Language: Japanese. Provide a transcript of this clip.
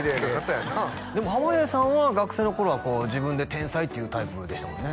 やなでも濱家さんは学生の頃は自分で天才って言うタイプでしたもんね？